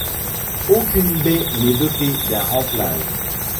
Aucune baie n'est dotée d'un remplage.